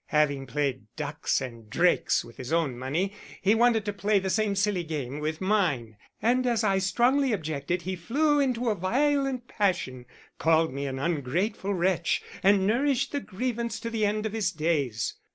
Having played ducks and drakes with his own money, he wanted to play the same silly game with mine; and as I strongly objected he flew into a violent passion, called me an ungrateful wretch, and nourished the grievance to the end of his days.